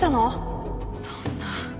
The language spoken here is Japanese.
そんな。